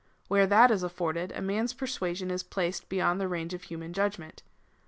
Where thatis, afforded, a man's persuasion^ is placed beyond the range of human judgment.